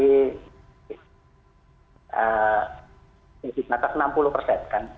di atas enam puluh persen kan